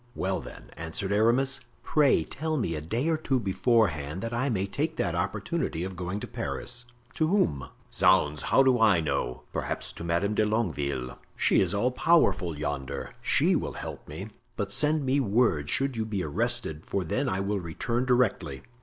"Well, then," answered Aramis, "pray tell me a day or two beforehand, that I may take that opportunity of going to Paris." "To whom?" "Zounds! how do I know? perhaps to Madame de Longueville. She is all powerful yonder; she will help me. But send me word should you be arrested, for then I will return directly."